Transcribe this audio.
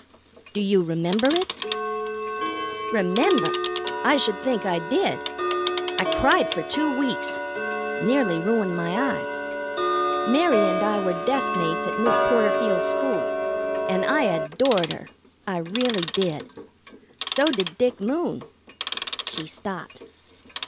"Do you remember it?" "Remember! I should think I did. I cried for two weeks. Nearly ruined my eyes. Mary and I were deskmates at Miss Porterfield's school, and I adored her. I really did. So did Dick Moon." She stopped.